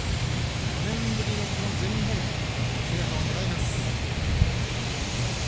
４年ぶりの全日本制覇を狙います。